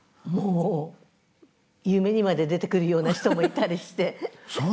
もう夢にまで出てくるような人もいたりして。